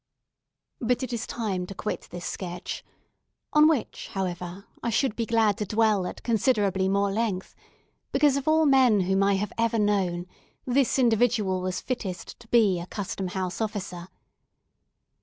But it is time to quit this sketch; on which, however, I should be glad to dwell at considerably more length, because of all men whom I have ever known, this individual was fittest to be a Custom House officer.